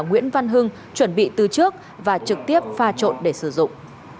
nguyễn văn hưng chuẩn bị từ trước và trực tiếp pha trộn để sử dụng